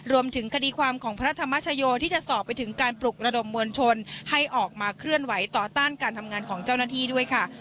รวมถึงคดีความของพระธรรมชโยที่จะสอบไปถึงการปลุกระดมมวลชนให้ออกมาเคลื่อนไหวต่อต้านการทำงานของเจ้าหน้าที่ด้วยค่ะ